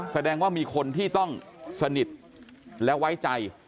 แสดงว่ามีคนที่ต้องสนิทและไว้ใจ